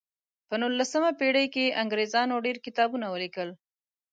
په نولسمه پیړۍ کې انګریزانو ډیر کتابونه ولیکل.